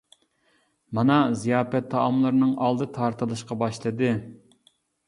مانا زىياپەت تائاملىرىنىڭ ئالدى تارتىلىشقا باشلىدى.